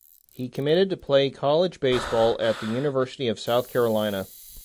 He committed to play college baseball at the University of South Carolina.